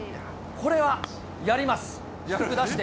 これやります。